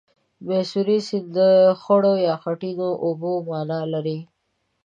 د میسوری سیند د خړو یا خټینو اوبو معنا لري.